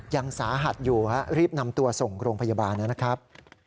ยังสาหัสอยู่รีบนำตัวส่งโรงพยาบาลนะครับ